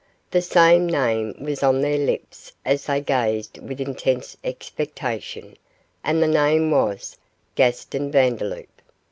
The same name was on their lips as they gazed with intense expectation, and that name was Gaston Vandeloup.